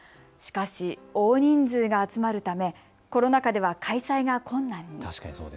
しかし大人数が集まるためコロナ禍では開催が困難に。